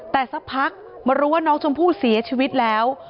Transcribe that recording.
แต่สักพักมารู้ว่าน้องชมพู่เสียชีวิตแล้ว